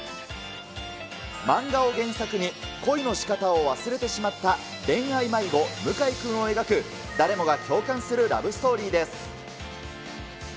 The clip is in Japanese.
漫画を原作に、恋のしかたを忘れてしまった恋愛迷子・向井くんを描く誰もが共感するラブストーリーです。